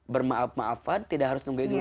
bermaaf maafan tidak harus diberi kebenaran